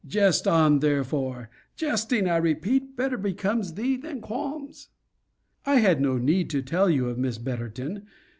Jest on, therefore. Jesting, I repeat, better becomes thee than qualms. I had no need to tell you of Miss Betterton.